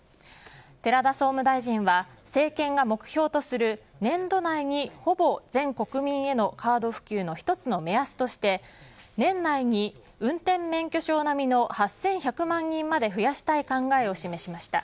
寺田総務大臣は政権が目標とする年度内に、ほぼ全国民へのカード普及の一つの目安として年内に運転免許証並みの８１００万人まで増やしたい考えを示しました。